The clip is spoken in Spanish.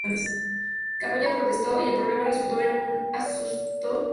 Camboya protestó, y el problema resultó en un asunto sensible en ambos países.